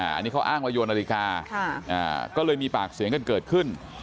อันนี้เขาอ้างว่าโยนนาฬิกาก็เลยมีปากเสียงกันเกิดขึ้น